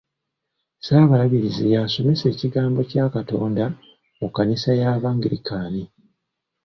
Saabalabirizi y'asomesa ekigambo kya Katonda mu kkanisa y'abangirikaani.